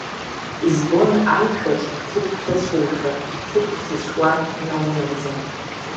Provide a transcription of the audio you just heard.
Избон аишәаҿ ҭыԥк ҭацәушәа, ҭыԥк ҭацәуан наунагӡа.